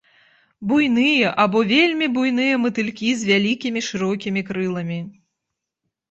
Буйныя або вельмі буйныя матылькі з вялікімі шырокімі крыламі.